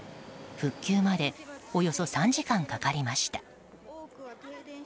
復旧までおよそ３時間かかりました。